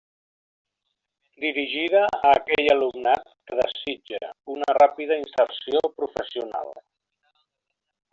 Dirigida a aquell alumnat que desitja una ràpida inserció professional.